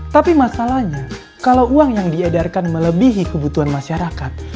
tapi masalahnya kalau uang yang diedarkan melebihi kebutuhan masyarakat